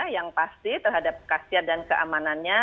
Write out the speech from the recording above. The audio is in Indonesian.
yang pasti terhadap kasiat dan keamanannya